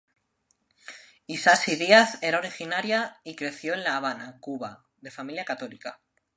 Isasi-Díaz era originaria y creció en La Habana, Cuba, de una familia católica.